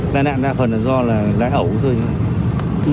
tài nạn đa phần do là lái ẩu thôi